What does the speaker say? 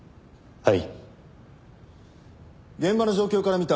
はい。